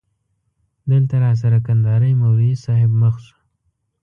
دلته راسره کندهاری مولوی صاحب مخ شو.